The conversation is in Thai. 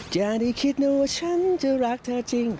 จะได้คิดหนูว่าฉันจะรักเธอจริง